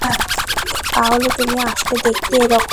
তাহলে তুমি আসলে দেখতে এরকম।